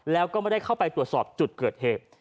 แล้วก็ไม่ได้เข้าไปตรวจสอบจุดเกิดเหตุ